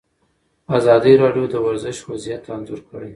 ازادي راډیو د ورزش وضعیت انځور کړی.